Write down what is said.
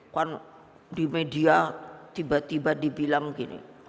kan di media tiba tiba dibilang gini